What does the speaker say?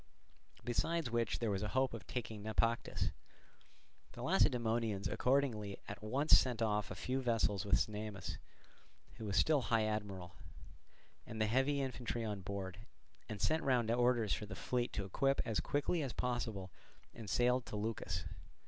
Besides which there was a hope of taking Naupactus. The Lacedaemonians accordingly at once sent off a few vessels with Cnemus, who was still high admiral, and the heavy infantry on board; and sent round orders for the fleet to equip as quickly as possible and sail to Leucas.